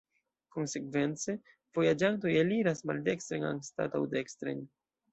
Konsekvence, vojaĝantoj eliras maldekstren anstataŭ dekstren.